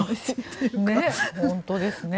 本当ですね。